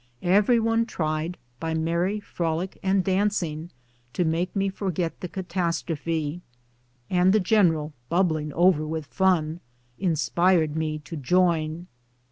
Every one tried, by merry frolic and dancing, to make me forget the catastrophe, and the general, bubbling over with fun, inspired me to join.